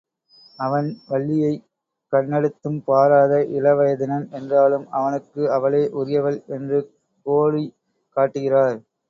அவன் வள்ளியைக் கண்ணெடுத்தும் பாராத இளவயதினன் என்றாலும் அவனுக்கு அவளே உரியவள் என்று கோடி காட்டுகிறார்.